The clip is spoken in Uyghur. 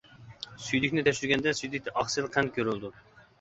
سۈيدۈكنى تەكشۈرگەندە: سۈيدۈكتە ئاقسىل، قەنت كۆرۈلىدۇ.